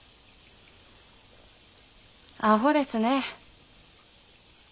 あほですね。